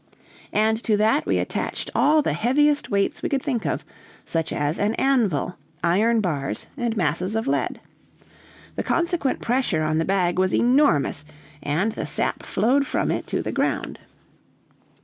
And to that we attached all the heaviest weights we could think of, such as an anvil, iron bars, and masses of lead. The consequent pressure on the bag was enormous, and the sap flowed from it to the ground.